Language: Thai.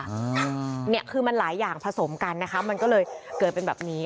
อ่าเนี่ยคือมันหลายอย่างผสมกันนะคะมันก็เลยเกิดเป็นแบบนี้